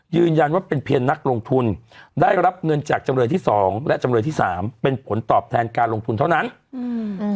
ยืนยันว่าเป็นเพียงนักลงทุนได้รับเงินจากจำเลยที่สองและจำเลยที่สามเป็นผลตอบแทนการลงทุนเท่านั้นอืม